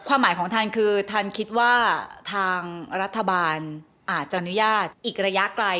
หมายของท่านคือท่านคิดว่าทางรัฐบาลอาจจะอนุญาตอีกระยะไกล